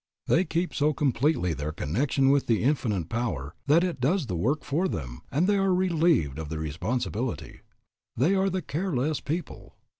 They keep so completely their connection with the Infinite Power that It does the work for them and they are relieved of the responsibility. They are the care less people.